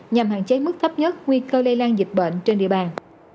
nhằm hạn chế mức thấp nhất nguy cơ lây lan dịch bệnh trên địa bàn